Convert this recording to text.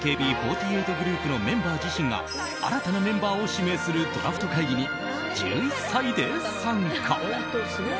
ＡＫＢ４８グループのメンバー自身が新たなメンバーを指名するドラフト会議に１１歳で参加。